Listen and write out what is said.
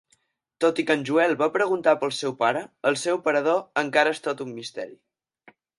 Tot i que en Joel va preguntar pel seu pare, el seu parador encara és tot un misteri.